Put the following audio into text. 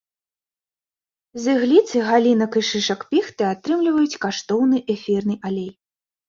З ігліцы, галінак і шышак піхты атрымліваюць каштоўны эфірны алей.